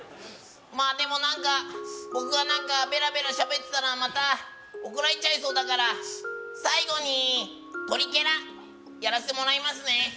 まあでも何か僕が何かベラベラ喋ってたらまた怒られちゃいそうだから最後にトリケラやらせてもらいますね